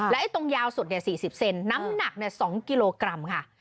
และไอ้ตรงยาวสุดเนี่ยสี่สิบเซนน้ำหนักเนี่ยสองกิโลกรัมค่ะ